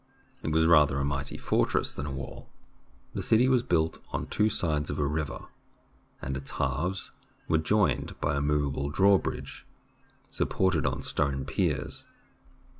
It was rather a mighty fortress than a wall. The city was built on two sides of a river, and its halves were joined by a movable draw bridge supported on stone piers.